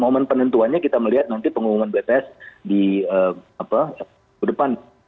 dan penentuannya kita melihat nanti pengumuman bert di depan